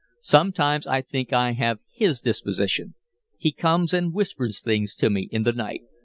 Sometimes I think I have his disposition. He comes and whispers things to me in the night.